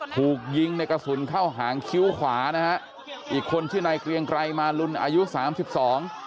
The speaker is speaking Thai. ถูกยิงในกระสุนเข้าหางคิ้วขวานะฮะอีกคนชื่อนายเกรียงไกรมาลุนอายุสามสิบสอง